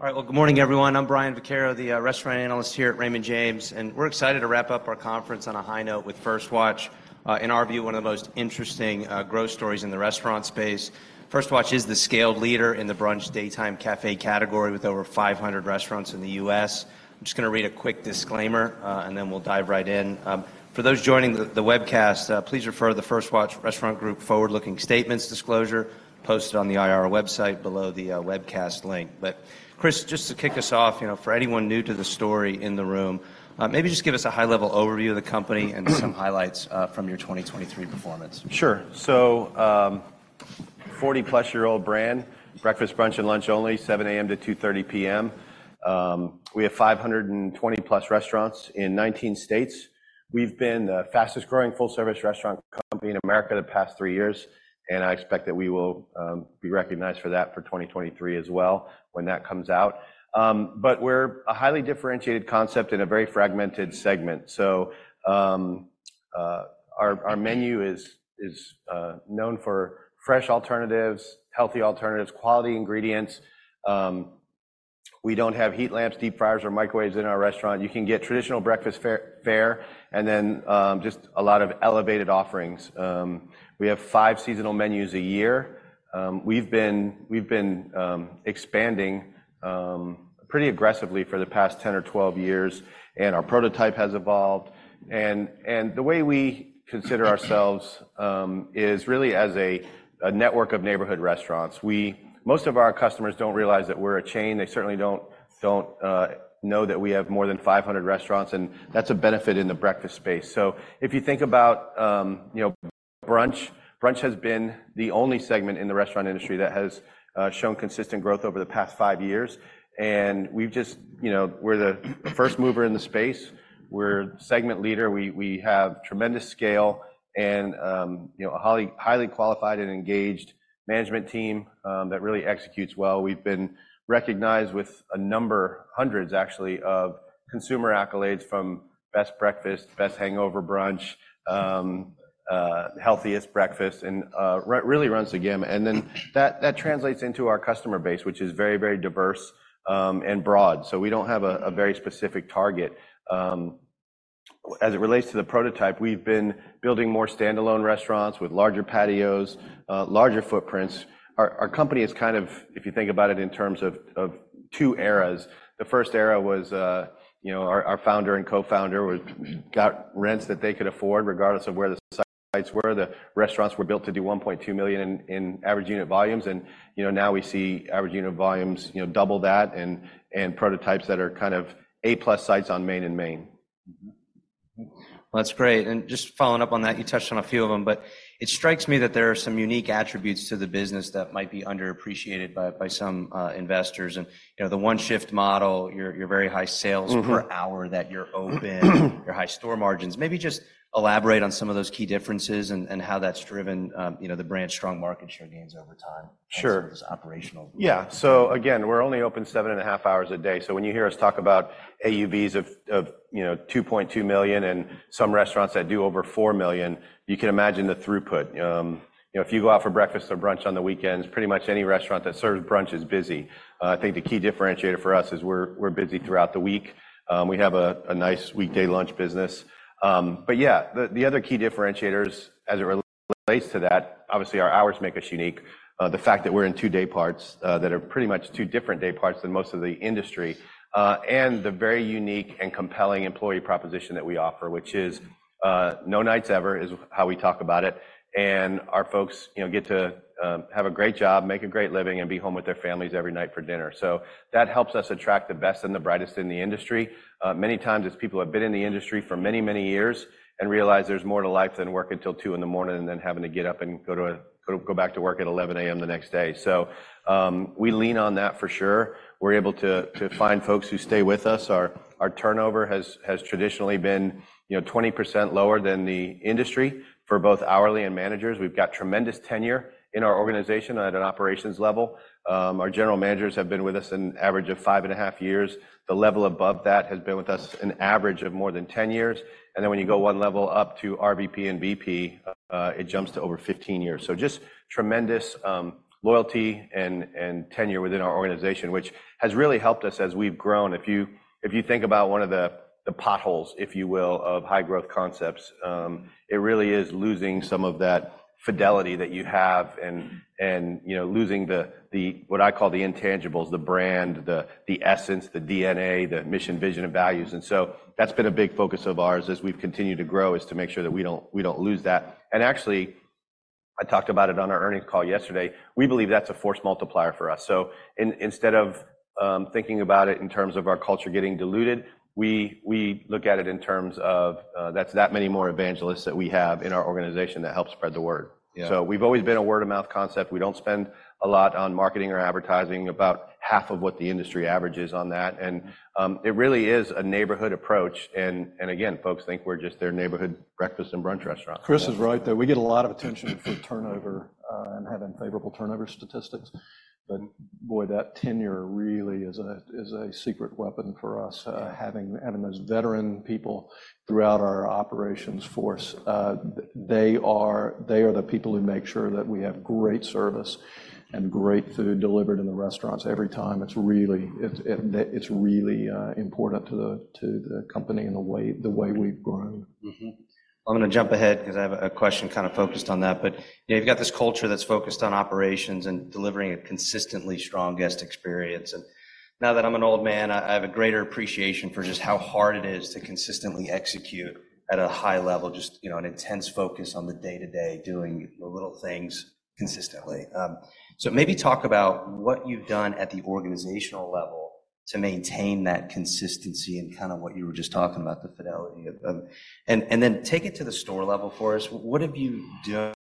All right, well, good morning, everyone. I'm Brian Vaccaro, the restaurant analyst here at Raymond James, and we're excited to wrap up our conference on a high note with First Watch, in our view one of the most interesting growth stories in the restaurant space. First Watch is the scaled leader in the brunch daytime café category with over 500 restaurants in the U.S. I'm just gonna read a quick disclaimer, and then we'll dive right in. For those joining the webcast, please refer to the First Watch Restaurant Group Forward-Looking Statements disclosure posted on the IR website below the webcast link. But, Chris, just to kick us off, you know, for anyone new to the story in the room, maybe just give us a high-level overview of the company and some highlights from your 2023 performance. Sure. So, 40+-year-old brand, breakfast, brunch, and lunch only, 7:00 A.M. to 2:30 P.M. We have 520+ restaurants in 19 states. We've been the fastest-growing full-service restaurant company in America the past three years, and I expect that we will be recognized for that for 2023 as well when that comes out. But we're a highly differentiated concept in a very fragmented segment. So, our menu is known for fresh alternatives, healthy alternatives, quality ingredients. We don't have heat lamps, deep fryers, or microwaves in our restaurant. You can get traditional breakfast fare and then just a lot of elevated offerings. We have five seasonal menus a year. We've been expanding pretty aggressively for the past 10 or 12 years, and our prototype has evolved. And the way we consider ourselves is really as a network of neighborhood restaurants. Most of our customers don't realize that we're a chain. They certainly don't know that we have more than 500 restaurants, and that's a benefit in the breakfast space. So if you think about, you know, brunch, brunch has been the only segment in the restaurant industry that has shown consistent growth over the past five years. And we've just, you know, we're the first mover in the space. We're segment leader. We have tremendous scale and, you know, a highly, highly qualified and engaged management team that really executes well. We've been recognized with a number, hundreds actually, of consumer accolades from Best Breakfast, Best Hangover Brunch, Healthiest Breakfast, and really runs the gamut. And then that translates into our customer base, which is very, very diverse and broad. So we don't have a very specific target. As it relates to the prototype, we've been building more standalone restaurants with larger patios, larger footprints. Our, our company is kind of, if you think about it in terms of, of two eras. The first era was, you know, our, our founder and co-founder was got rents that they could afford regardless of where the sites were. The restaurants were built to do $1.2 million in, in average unit volumes, and, you know, now we see average unit volumes, you know, double that and, and prototypes that are kind of A-plus sites on Main and Main. Well, that's great. Just following up on that, you touched on a few of them, but it strikes me that there are some unique attributes to the business that might be underappreciated by some investors. You know, the One Shift model, your very high sales per hour that you're open, your high store margins. Maybe just elaborate on some of those key differences and how that's driven, you know, the brand's strong market share gains over time. Sure. In terms of those operational. Yeah. So again, we're only open 7.5 hours a day. So when you hear us talk about AUVs of, you know, $2.2 million and some restaurants that do over $4 million, you can imagine the throughput. You know, if you go out for breakfast or brunch on the weekends, pretty much any restaurant that serves brunch is busy. I think the key differentiator for us is we're busy throughout the week. We have a nice weekday lunch business. But yeah, the other key differentiators as it relates to that, obviously, our hours make us unique, the fact that we're in 2 dayparts, that are pretty much 2 different dayparts than most of the industry, and the very unique and compelling employee proposition that we offer, which is, No Nights Ever is how we talk about it. Our folks, you know, get to have a great job, make a great living, and be home with their families every night for dinner. So that helps us attract the best and the brightest in the industry. Many times it's people who have been in the industry for many, many years and realize there's more to life than working till 2:00 A.M. and then having to get up and go back to work at 11:00 A.M. the next day. So, we lean on that for sure. We're able to find folks who stay with us. Our turnover has traditionally been, you know, 20% lower than the industry for both hourly and managers. We've got tremendous tenure in our organization at an operations level. Our general managers have been with us an average of five and a half years. The level above that has been with us an average of more than 10 years. And then when you go one level up to RVP and VP, it jumps to over 15 years. So just tremendous loyalty and tenure within our organization, which has really helped us as we've grown. If you think about one of the potholes, if you will, of high-growth concepts, it really is losing some of that fidelity that you have and, you know, losing the what I call the intangibles, the brand, the essence, the DNA, the mission, vision, and values. And so that's been a big focus of ours as we've continued to grow is to make sure that we don't lose that. And actually, I talked about it on our earnings call yesterday. We believe that's a force multiplier for us. So, instead of thinking about it in terms of our culture getting diluted, we look at it in terms of that’s that many more evangelists that we have in our organization that help spread the word. Yeah. So we've always been a word-of-mouth concept. We don't spend a lot on marketing or advertising, about half of what the industry averages on that. And it really is a neighborhood approach. And again, folks think we're just their neighborhood breakfast and brunch restaurant. Chris is right there. We get a lot of attention for turnover, and having favorable turnover statistics. But boy, that tenure really is a secret weapon for us, having those veteran people throughout our operations force. They are the people who make sure that we have great service and great food delivered in the restaurants every time. It's really important to the company and the way we've grown. Well, I'm gonna jump ahead 'cause I have a question kind of focused on that. But, you know, you've got this culture that's focused on operations and delivering a consistently strong guest experience. And now that I'm an old man, I, I have a greater appreciation for just how hard it is to consistently execute at a high level, just, you know, an intense focus on the day-to-day doing the little things consistently. So maybe talk about what you've done at the organizational level to maintain that consistency and kind of what you were just talking about, the fidelity of, of and, and then take it to the store level for us. What have you done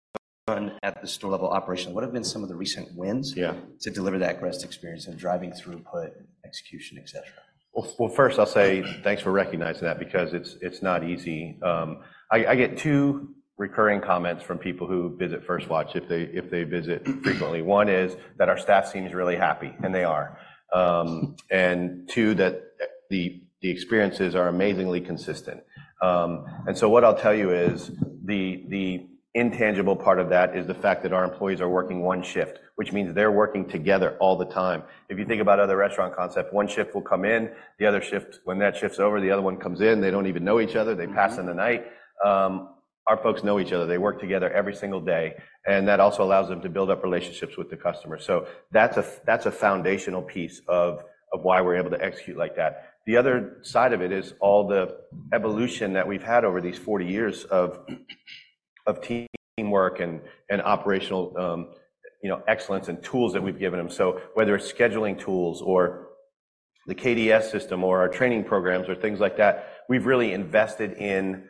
at the store level operationally? What have been some of the recent wins. Yeah. To deliver that guest experience and driving throughput, execution, etc.? Well, well, first, I'll say thanks for recognizing that because it's, it's not easy. I, I get two recurring comments from people who visit First Watch if they if they visit frequently. One is that our staff seems really happy, and they are. And two, that the, the experiences are amazingly consistent. And so what I'll tell you is the, the intangible part of that is the fact that our employees are working one shift, which means they're working together all the time. If you think about other restaurant concepts, one shift will come in. The other shift, when that shift's over, the other one comes in. They don't even know each other. They pass in the night. Our folks know each other. They work together every single day. And that also allows them to build up relationships with the customer. So that's a foundational piece of why we're able to execute like that. The other side of it is all the evolution that we've had over these 40 years of teamwork and operational, you know, excellence and tools that we've given them. So whether it's scheduling tools or the KDS system or our training programs or things like that, we've really invested in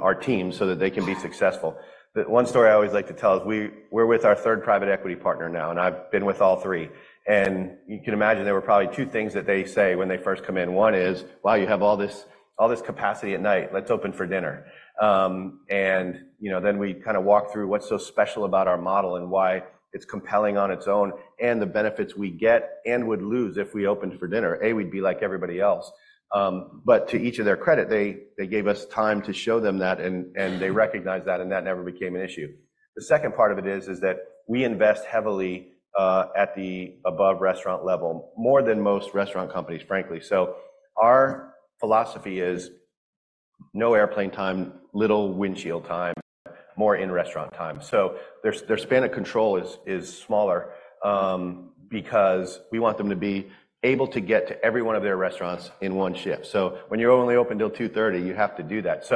our team so that they can be successful. The one story I always like to tell is we're with our third private equity partner now, and I've been with all three. You can imagine there were probably two things that they say when they first come in. One is, "Wow, you have all this capacity at night. Let's open for dinner," and, you know, then we kind of walk through what's so special about our model and why it's compelling on its own and the benefits we get and would lose if we opened for dinner. A, we'd be like everybody else. But to each of their credit, they gave us time to show them that, and they recognized that, and that never became an issue. The second part of it is that we invest heavily, at the above-restaurant level, more than most restaurant companies, frankly. So our philosophy is no airplane time, little windshield time, more in-restaurant time. So their span of control is smaller, because we want them to be able to get to every one of their restaurants in one shift. So when you're only open till 2:30 P.M., you have to do that.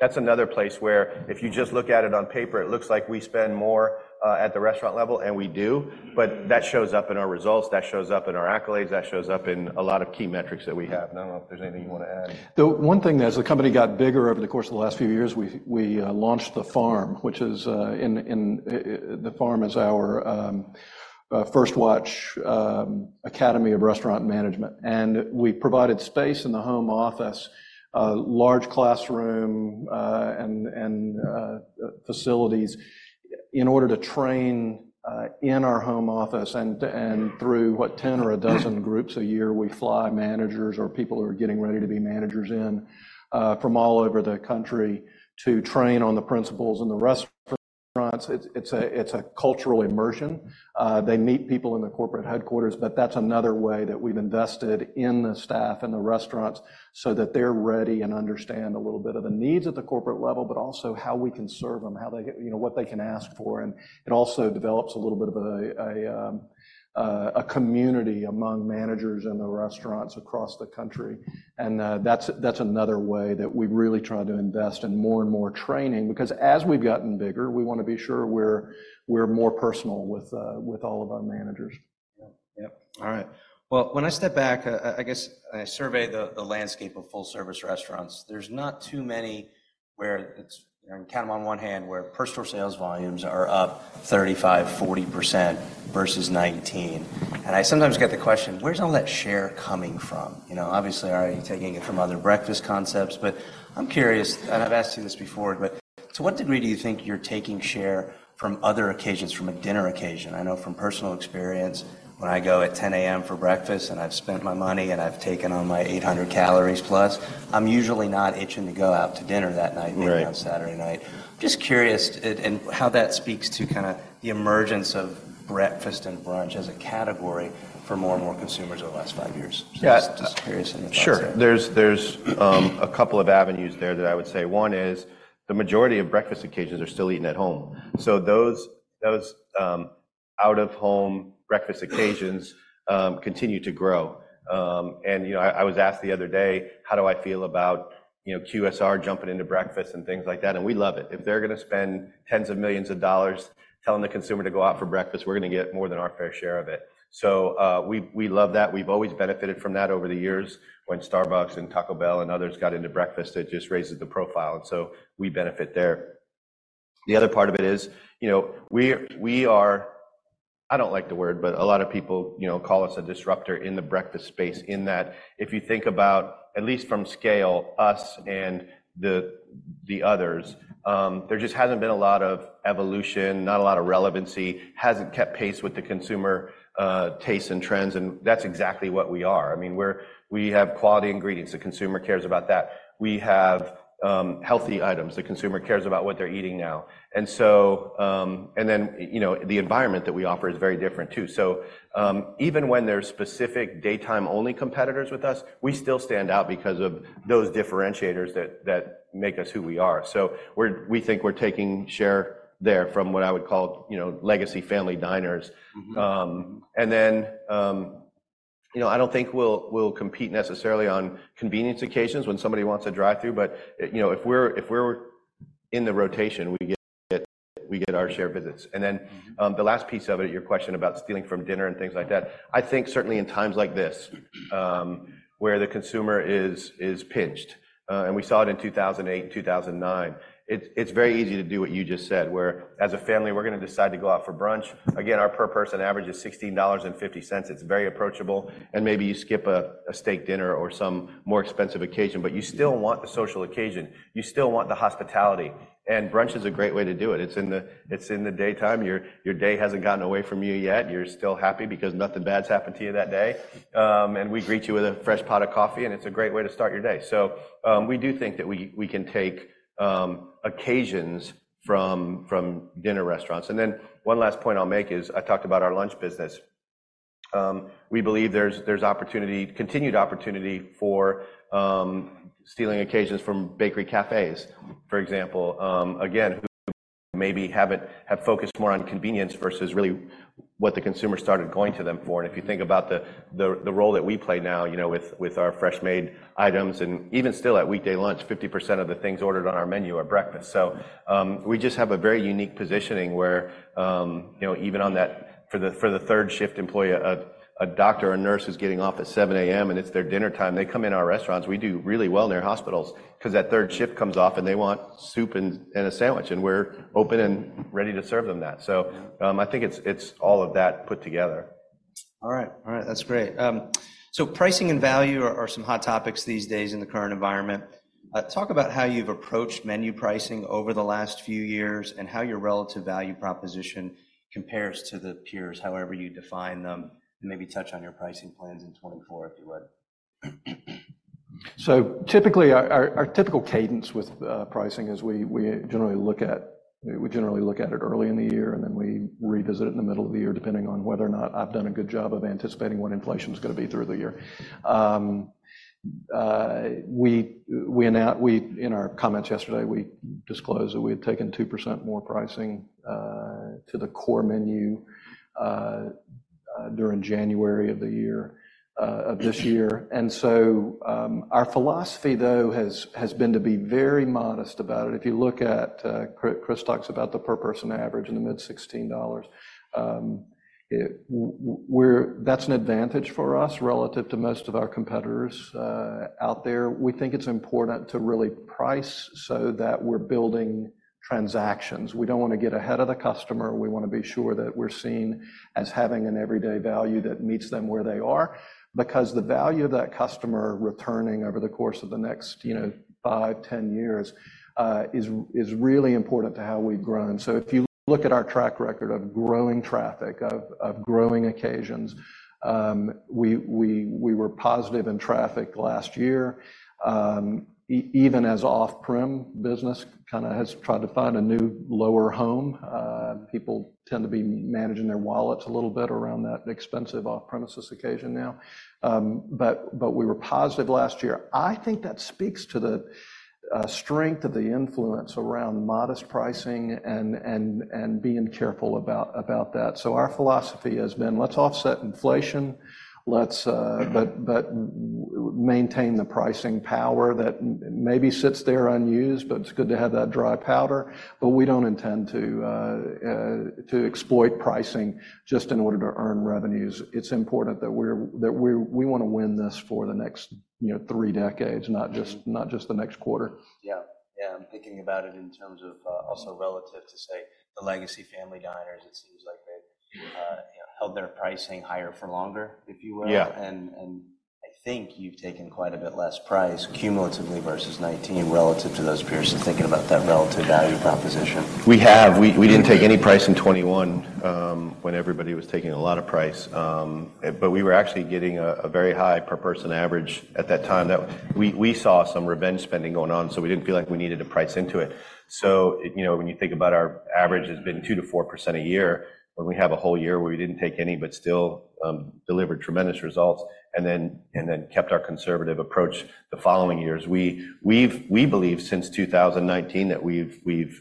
That's another place where if you just look at it on paper, it looks like we spend more, at the restaurant level, and we do. But that shows up in our results. That shows up in our accolades. That shows up in a lot of key metrics that we have. I don't know if there's anything you wanna add. The one thing that, as the company got bigger over the course of the last few years, we launched The FARM, which is The FARM, our First Watch Academy of Restaurant Management. We provided space in the home office, large classroom, and facilities in order to train in our home office and through 10 or 12 groups a year, we fly managers or people who are getting ready to be managers in from all over the country to train on the principles in the restaurants. It's a cultural immersion. They meet people in the corporate headquarters, but that's another way that we've invested in the staff and the restaurants so that they're ready and understand a little bit of the needs at the corporate level, but also how we can serve them, how they you know, what they can ask for. It also develops a little bit of a community among managers in the restaurants across the country. That's another way that we really try to invest in more and more training because as we've gotten bigger, we wanna be sure we're more personal with all of our managers. Yep. Yep. All right. Well, when I step back, I guess I survey the landscape of full-service restaurants, there's not too many where it's, you know, you can count them on one hand where per-store sales volumes are up 35%-40% versus 19%. And I sometimes get the question, "Where's all that share coming from?" You know, obviously, already taking it from other breakfast concepts, but I'm curious and I've asked you this before, but to what degree do you think you're taking share from other occasions, from a dinner occasion? I know from personal experience, when I go at 10:00 A.M. for breakfast and I've spent my money and I've taken on my 800 calories plus, I'm usually not itching to go out to dinner that night. Right. Maybe on Saturday night. Just curious about it and how that speaks to kind of the emergence of breakfast and brunch as a category for more and more consumers over the last five years. Yes. Just curious in regards to that. Sure. There's a couple of avenues there that I would say. One is the majority of breakfast occasions are still eating at home. So those out-of-home breakfast occasions continue to grow. You know, I was asked the other day, "How do I feel about, you know, QSR jumping into breakfast and things like that?" And we love it. If they're gonna spend $10s of millions telling the consumer to go out for breakfast, we're gonna get more than our fair share of it. So we love that. We've always benefited from that over the years when Starbucks and Taco Bell and others got into breakfast. It just raises the profile. And so we benefit there. The other part of it is, you know, we, we are I don't like the word, but a lot of people, you know, call us a disruptor in the breakfast space in that if you think about, at least from scale, us and the, the others, there just hasn't been a lot of evolution, not a lot of relevancy, hasn't kept pace with the consumer, tastes and trends. And that's exactly what we are. I mean, we're we have quality ingredients. The consumer cares about that. We have, healthy items. The consumer cares about what they're eating now. And so, and then, you know, the environment that we offer is very different too. So, even when there's specific daytime-only competitors with us, we still stand out because of those differentiators that, that make us who we are. So we think we're taking share there from what I would call, you know, legacy family diners. And then, you know, I don't think we'll compete necessarily on convenience occasions when somebody wants a drive-through. But, you know, if we're in the rotation, we get our share of visits. And then, the last piece of it, your question about stealing from dinner and things like that, I think certainly in times like this, where the consumer is pinched, and we saw it in 2008, 2009, it's very easy to do what you just said where, as a family, we're gonna decide to go out for brunch. Again, our per-person average is $16.50. It's very approachable. And maybe you skip a steak dinner or some more expensive occasion, but you still want the social occasion. You still want the hospitality. And brunch is a great way to do it. It's in the daytime. Your day hasn't gotten away from you yet. You're still happy because nothing bad's happened to you that day. And we greet you with a fresh pot of coffee, and it's a great way to start your day. So, we do think that we can take occasions from dinner restaurants. And then one last point I'll make is I talked about our lunch business. We believe there's opportunity, continued opportunity for stealing occasions from bakery cafés, for example. Again, who maybe haven't have focused more on convenience versus really what the consumer started going to them for. And if you think about the role that we play now, you know, with our freshmade items and even still at weekday lunch, 50% of the things ordered on our menu are breakfast. So, we just have a very unique positioning where, you know, even on that for the third shift employee, a doctor or a nurse is getting off at 7:00 A.M., and it's their dinner time. They come in our restaurants. We do really well in their hospitals 'cause that third shift comes off, and they want soup and a sandwich. We're open and ready to serve them that. So, I think it's all of that put together. All right. All right. That's great. So pricing and value are some hot topics these days in the current environment. Talk about how you've approached menu pricing over the last few years and how your relative value proposition compares to the peers, however you define them, and maybe touch on your pricing plans in 2024 if you would? So typically, our typical cadence with pricing is we generally look at it early in the year, and then we revisit it in the middle of the year depending on whether or not I've done a good job of anticipating what inflation's gonna be through the year. We announce in our comments yesterday, we disclose that we had taken 2% more pricing to the core menu during January of this year. And so, our philosophy though has been to be very modest about it. If you look at Chris talks about the per-person average in the mid-$16, it, we're, that's an advantage for us relative to most of our competitors out there. We think it's important to really price so that we're building transactions. We don't wanna get ahead of the customer. We wanna be sure that we're seen as having an everyday value that meets them where they are because the value of that customer returning over the course of the next, you know, 5, 10 years, is really important to how we've grown. So if you look at our track record of growing traffic, of growing occasions, we were positive in traffic last year, even as off-premises business kind of has tried to find a new lower home. People tend to be managing their wallets a little bit around that expensive off-premises occasion now. But we were positive last year. I think that speaks to the strength of the influence around modest pricing and being careful about that. So our philosophy has been, "Let's offset inflation. Let's but maintain the pricing power that maybe sits there unused, but it's good to have that dry powder. But we don't intend to exploit pricing just in order to earn revenues. It's important that we're we wanna win this for the next, you know, three decades, not just the next quarter. Yeah. Yeah. I'm thinking about it in terms of, also relative to, say, the legacy family diners. It seems like they, you know, held their pricing higher for longer, if you will. Yeah. I think you've taken quite a bit less price cumulatively versus 2019 relative to those peers and thinking about that relative value proposition. We have. We didn't take any price in 2021, when everybody was taking a lot of price. But we were actually getting a very high per-person average at that time that we saw some revenge spending going on, so we didn't feel like we needed to price into it. So, you know, when you think about our average has been 2%-4% a year when we have a whole year where we didn't take any but still delivered tremendous results and then kept our conservative approach the following years, we believe since 2019 that we've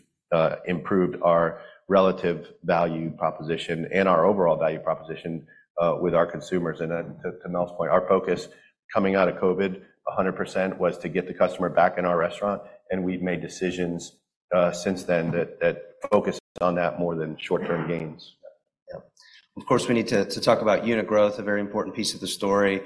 improved our relative value proposition and our overall value proposition with our consumers. And then to Mel's point, our focus coming out of COVID, 100%, was to get the customer back in our restaurant. We've made decisions since then that focus on that more than short-term gains. Yeah. Yeah. Of course, we need to talk about unit growth, a very important piece of the story.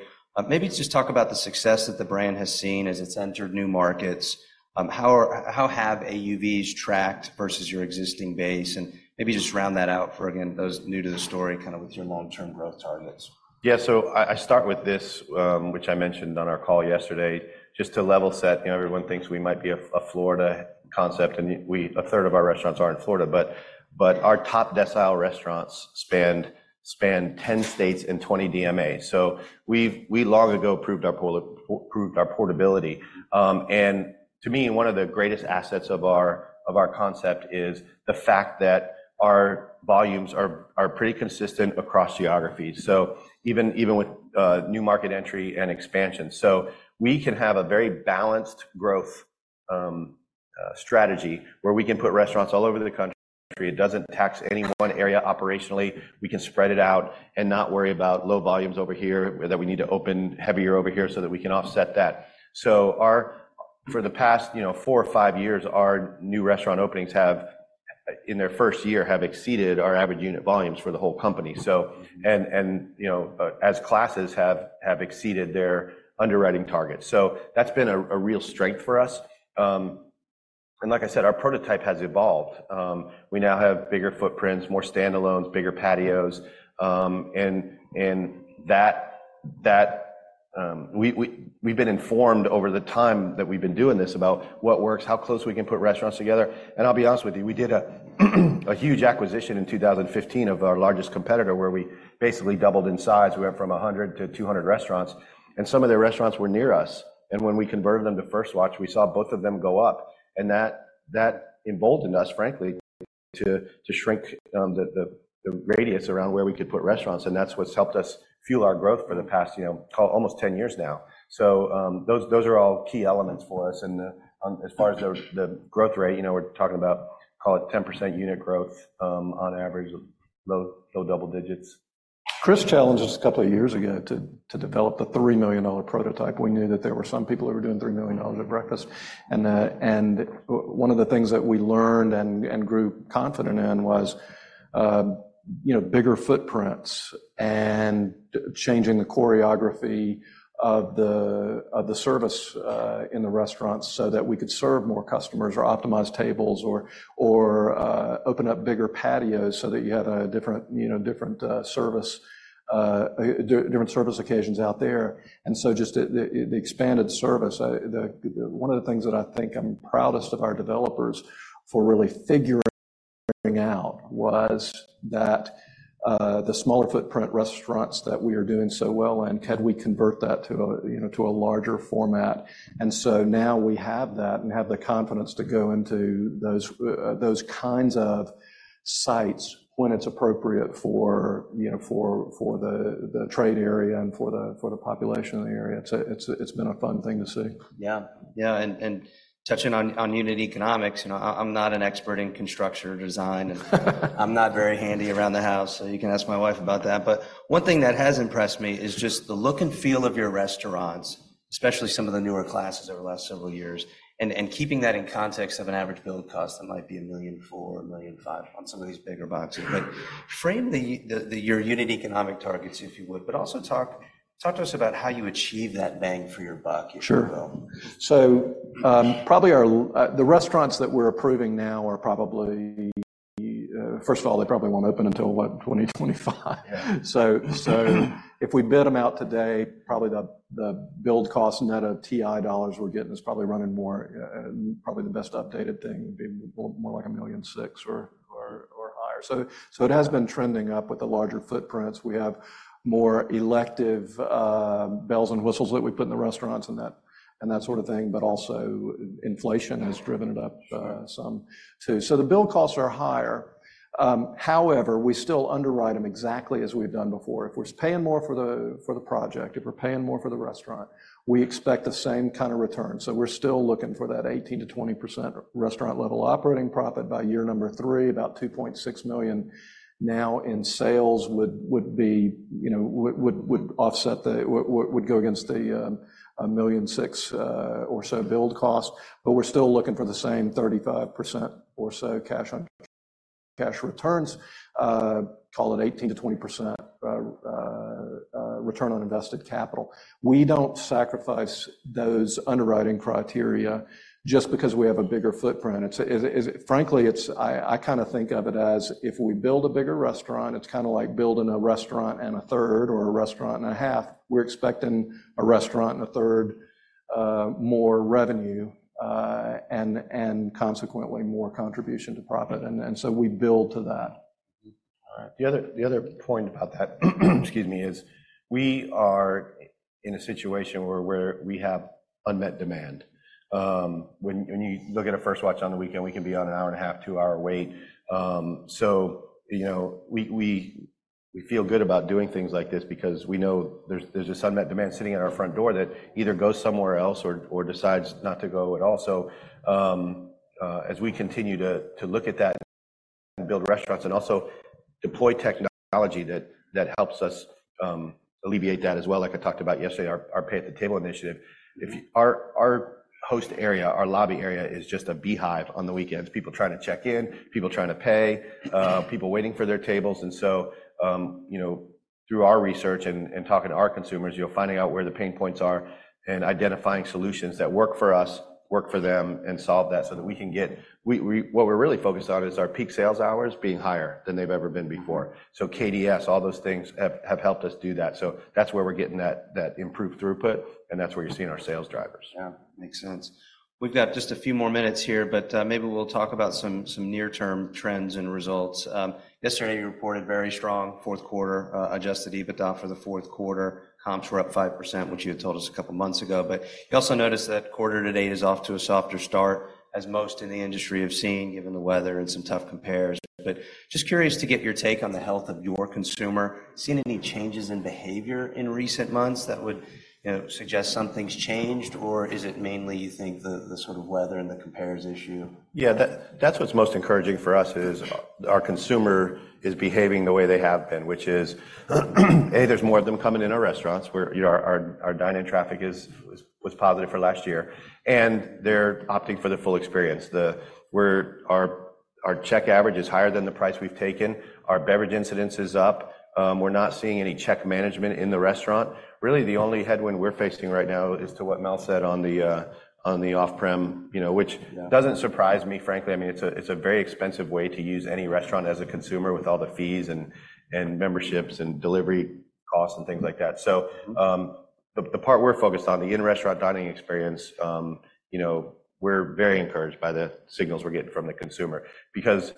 Maybe just talk about the success that the brand has seen as it's entered new markets. How have AUVs tracked versus your existing base? And maybe just round that out for, again, those new to the story kind of with your long-term growth targets. Yeah. So I start with this, which I mentioned on our call yesterday just to level set. You know, everyone thinks we might be a Florida concept, and we're a third of our restaurants aren't in Florida. But our top decile restaurants span 10 states and 20 DMAs. So we've long ago proved our portability. And to me, one of the greatest assets of our concept is the fact that our volumes are pretty consistent across geographies. So even with new market entry and expansion, we can have a very balanced growth strategy where we can put restaurants all over the country. It doesn't tax any one area operationally. We can spread it out and not worry about low volumes over here that we need to open heavier over here so that we can offset that. So, for the past, you know, four or five years, our new restaurant openings have in their first year exceeded our average unit volumes for the whole company. So and, you know, as comps have exceeded their underwriting targets. So that's been a real strength for us. And like I said, our prototype has evolved. We now have bigger footprints, more standalones, bigger patios. And that we've been informed over the time that we've been doing this about what works, how close we can put restaurants together. And I'll be honest with you, we did a huge acquisition in 2015 of our largest competitor where we basically doubled in size. We went from 100 to 200 restaurants. And some of their restaurants were near us. And when we converted them to First Watch, we saw both of them go up. And that emboldened us, frankly, to shrink the radius around where we could put restaurants. And that's what's helped us fuel our growth for the past, you know, call it almost 10 years now. So, those are all key elements for us. And, as far as the growth rate, you know, we're talking about call it 10% unit growth, on average, low double digits. Chris challenged us a couple of years ago to develop the $3 million prototype. We knew that there were some people who were doing $3 million at breakfast. And one of the things that we learned and grew confident in was, you know, bigger footprints and changing the choreography of the service in the restaurants so that we could serve more customers or optimize tables or open up bigger patios so that you have a different, you know, different service occasions out there. And so just the expanded service, the one of the things that I think I'm proudest of our developers for really figuring out was that the smaller footprint restaurants that we are doing so well in could we convert that to a, you know, to a larger format? And so now we have that and have the confidence to go into those kinds of sites when it's appropriate for, you know, the trade area and for the population in the area. It's been a fun thing to see. Yeah. Yeah. And, and touching on, on unit economics, you know, I-I'm not an expert in construction or design, and I'm not very handy around the house, so you can ask my wife about that. But one thing that has impressed me is just the look and feel of your restaurants, especially some of the newer classes over the last several years, and, and keeping that in context of an average build cost that might be $1.4 million-$1.5 million on some of these bigger boxes. But frame the, the, the your unit economic targets, if you would, but also talk, talk to us about how you achieve that bang for your buck, if you will. Sure. So, probably our, the restaurants that we're approving now are probably, first of all, they probably won't open until, what, 2025. So, so if we bid them out today, probably the, the build cost net of TI dollars we're getting is probably running more, probably the best updated thing would be more, more like $1.6 million or, or, or higher. So, so it has been trending up with the larger footprints. We have more elective, bells and whistles that we put in the restaurants and that and that sort of thing, but also inflation has driven it up, some too. So the build costs are higher. However, we still underwrite them exactly as we've done before. If we're paying more for the for the project, if we're paying more for the restaurant, we expect the same kind of return. So we're still looking for that 18%-20% restaurant-level operating profit by year number three, about $2.6 million now in sales would, you know, offset the, go against the $1.6 million or so build cost. But we're still looking for the same 35% or so cash on cash returns, call it 18%-20%, return on invested capital. We don't sacrifice those underwriting criteria just because we have a bigger footprint. It's frankly, it's, I kind of think of it as if we build a bigger restaurant, it's kind of like building a restaurant and a third or a restaurant and a half. We're expecting a restaurant and a third more revenue, and consequently more contribution to profit. And so we build to that. All right. The other point about that, excuse me, is we are in a situation where we have unmet demand. When you look at a First Watch on the weekend, we can be on a 1.5-hour, 2-hour wait. So, you know, we feel good about doing things like this because we know there's this unmet demand sitting at our front door that either goes somewhere else or decides not to go at all. As we continue to look at that and build restaurants and also deploy technology that helps us alleviate that as well, like I talked about yesterday, our pay at the table initiative. If you our host area, our lobby area is just a beehive on the weekends, people trying to check in, people trying to pay, people waiting for their tables. And so, you know, through our research and talking to our consumers, you'll find out where the pain points are and identifying solutions that work for us, work for them, and solve that so that we can get what we're really focused on is our peak sales hours being higher than they've ever been before. So KDS, all those things have helped us do that. So that's where we're getting that improved throughput, and that's where you're seeing our sales drivers. Yeah. Makes sense. We've got just a few more minutes here, but maybe we'll talk about some near-term trends and results. Yesterday, you reported very strong fourth quarter adjusted EBITDA for the fourth quarter. Comps were up 5%, which you had told us a couple of months ago. But you also noticed that quarter to date is off to a softer start as most in the industry have seen given the weather and some tough compares. But just curious to get your take on the health of your consumer. Seeing any changes in behavior in recent months that would, you know, suggest something's changed, or is it mainly, you think, the sort of weather and the compares issue? Yeah. That's what's most encouraging for us is our consumer is behaving the way they have been, which is, A, there's more of them coming in our restaurants where, you know, our dine-in traffic was positive for last year. And they're opting for the full experience. Our check average is higher than the price we've taken. Our beverage incidence is up. We're not seeing any check management in the restaurant. Really, the only headwind we're facing right now is to what Mel said on the off-prem, you know, which doesn't surprise me, frankly. I mean, it's a very expensive way to use any restaurant as a consumer with all the fees and memberships and delivery costs and things like that. So, the part we're focused on, the in-restaurant dining experience, you know, we're very encouraged by the signals we're getting from the consumer because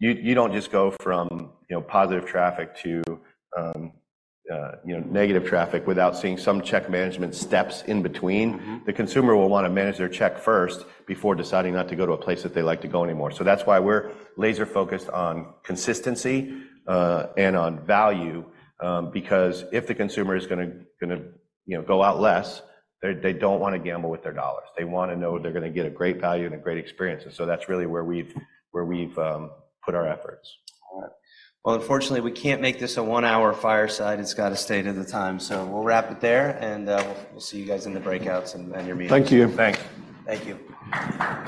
you don't just go from, you know, positive traffic to, you know, negative traffic without seeing some check management steps in between. The consumer will wanna manage their check first before deciding not to go to a place that they like to go anymore. So that's why we're laser-focused on consistency, and on value, because if the consumer is gonna, you know, go out less, they don't wanna gamble with their dollars. They wanna know they're gonna get a great value and a great experience. And so that's really where we've put our efforts. All right. Well, unfortunately, we can't make this a one-hour fireside. It's gotta stay to the time. So we'll wrap it there, and we'll see you guys in the breakouts and your meetings. Thank you. Thanks. Thank you.